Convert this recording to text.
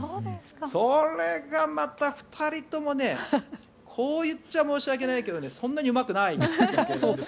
それがまた２人ともこういっちゃ申し訳ないけどそんなにうまくないんだけど。